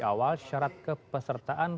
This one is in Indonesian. awal syarat kepesertaan